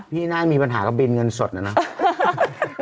พี่น่าจะมีปัญหากับเบนเงินสดนะนัก